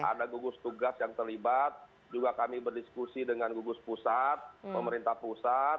ada gugus tugas yang terlibat juga kami berdiskusi dengan gugus pusat pemerintah pusat